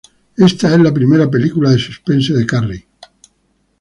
Esta es la primera película de suspense de Carrey.